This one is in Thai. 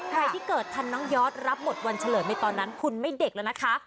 ใครที่เกิดทันน้องยอดรับหมดวันเฉลิมในตอนนั้นคุณไม่เด็กแล้วนะคะ